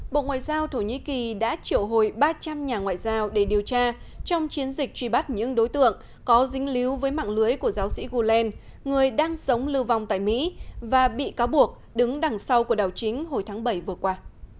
bộ ngoại giao thổ nhĩ kỳ đã triệu hồi ba trăm linh nhà ngoại giao để điều tra trong chiến dịch truy bắt những đối tượng có dính líu với mạng lưới của giáo sĩ gulent người đang sống lưu vong tại mỹ và bị cáo buộc đứng đằng sau cuộc đảo chính hồi tháng bảy vừa qua